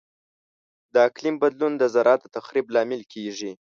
د اقلیم بدلون د زراعت د تخریب لامل کیږي.